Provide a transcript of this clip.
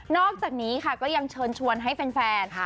อกจากนี้ค่ะก็ยังเชิญชวนให้แฟน